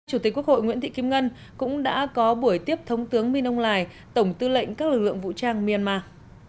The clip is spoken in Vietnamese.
chủ tịch quốc hội nguyễn thị kim ngân cũng đã có buổi tiếp thống tướng minh âu lài tổng tư lệnh các lực lượng vũ trang myanmar